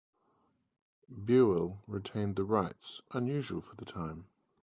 Buell retained the rights, unusual for the time.